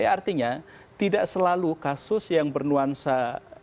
artinya tidak selalu kasus yang bernuansa